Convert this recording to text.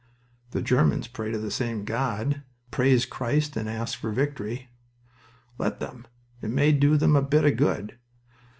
"The Germans pray to the same God. Praise Christ and ask for victory." "Let them. It may do them a bit of good.